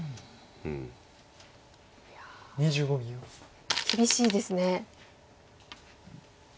いや厳しいですね。